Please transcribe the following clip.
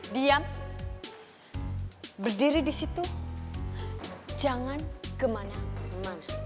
diam berdiri di situ jangan kemana mana